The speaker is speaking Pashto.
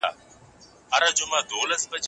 ښه ذهنیت کرکه نه خپروي.